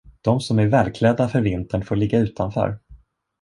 De som är välklädda för vintern får ligga utanför.